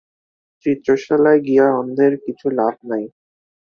চিত্রশালায় গিয়া অন্ধের কিছু লাভ নাই।